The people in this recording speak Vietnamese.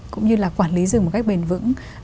cũng như là quản lý rừng một cách bền vững